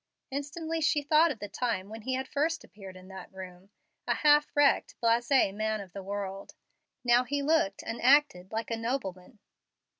Instantly she thought of the time when he had first appeared in that room, a half wrecked, blase man of the world. Now he looked and acted like a nobleman.